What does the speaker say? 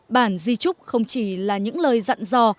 bản di trúc không chỉ là những lời dặn dò